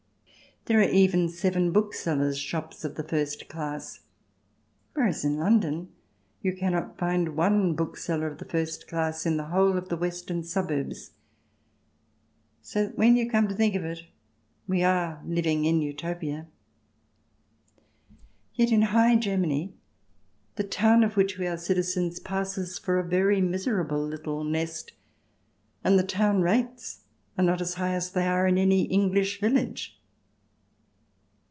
And there are even seven book sellers' shops of the first class, whereas in London you cannot find one bookseller of the first class in the whole of the western suburbs. So that when we come to think of it we are living in Utopia. Yet in High Germany the town of which we are citizens passes for a very miserable little nest, and the town rates are not as high as they are in any English village.